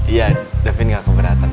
iya davin gak keberatan